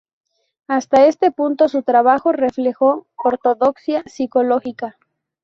Hasta este punto su trabajo reflejó ortodoxia sociológica.